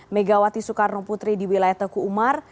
megawati soekarno putri di wilayah teku umar